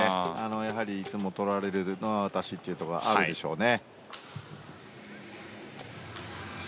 やはり、いつもとられるのは私というのがあるんでしょうね。